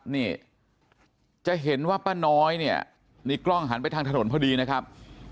นี่จะเห็นว่าป้าน้อยเนี่ยนี่กล้องหันไปทางถนนพอดีนะครับ